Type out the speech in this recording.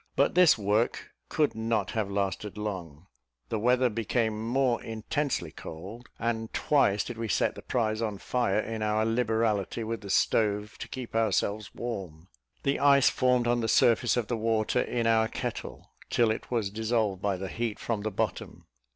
But this work could not have lasted long; the weather became more intensely cold, and twice did we set the prize on fire, in our liberality with the stove to keep ourselves warm. The ice formed on the surface of the water in our kettle, till it was dissolved by the heat from the bottom.